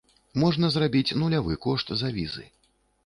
Можна зрабіць нулявы кошт за візы.